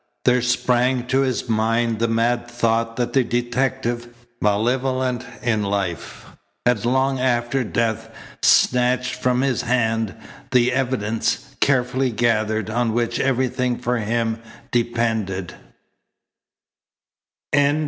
There sprang to his mind the mad thought that the detective, malevolent in life, had long after death snatched from his hand the evidence, carefully gathered, on which everything for him depended.